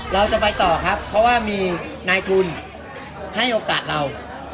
เราจะไปต่อครับเพราะว่ามีนายทุนให้โอกาสเรา